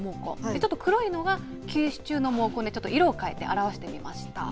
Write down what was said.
ちょっと黒いのが休止中の毛根で、ちょっと色を変えて表してみました。